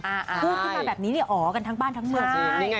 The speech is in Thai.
พูดที่มายังแบบนี้เนี่ยอ๋อกันทั้งบ้านทั้งเมือง